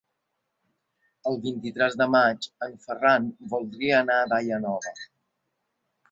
El vint-i-tres de maig en Ferran voldria anar a Daia Nova.